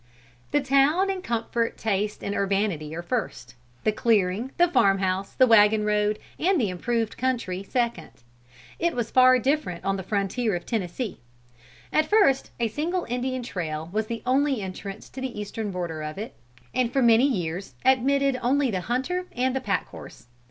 "The town and comfort, taste and urbanity are first; the clearing, the farm house, the wagon road and the improved country, second. It was far different on the frontier of Tennessee. At first a single Indian trail was the only entrance to the Eastern border of it, and for many years admitted only the hunter and the pack horse.